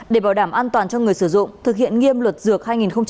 để bảo đảm an toàn cho người sử dụng thực hiện nghiêm luật dược hai nghìn một mươi chín